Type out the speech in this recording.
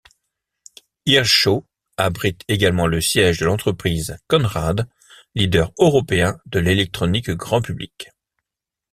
Hirschau abrite également le siège de l'entreprise Conrad, leader européen de l'électronique grand public.